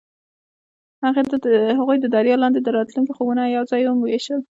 هغوی د دریا لاندې د راتلونکي خوبونه یوځای هم وویشل.